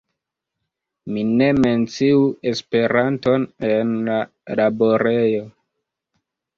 Mi ne menciu Esperanton en la laborejo.